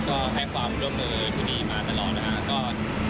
ก็ให้ความร่วมมือที่นี่มาตลอดนะครับ